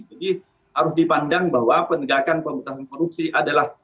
jadi harus dipandang bahwa penegakan pemerintahan korupsi adalah